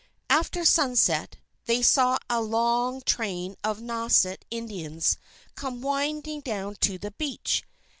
After sunset, they saw a long train of Nauset Indians come winding down to the beach.